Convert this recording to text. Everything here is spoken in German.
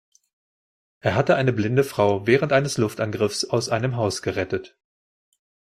Er hatte eine blinde Frau während eines Luftangriffs aus einem Haus gerettet.